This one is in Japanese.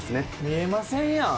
見えませんやん。